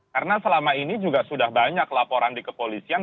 karena selama ini juga sudah banyak laporan di kepolisian